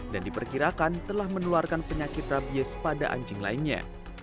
dan diperkirakan telah meneluarkan penyakit rabies pada anjing lainnya